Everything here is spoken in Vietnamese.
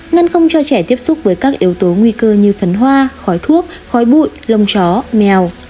ngăn không cho trẻ tiếp xúc với các yếu tố nguy cơ như phấn hoa khói thuốc khói bụi lông chó mèo